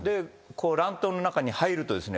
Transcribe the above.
乱闘の中に入るとですね